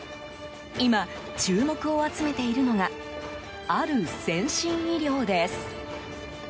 今、注目を集めているのがある先進医療です。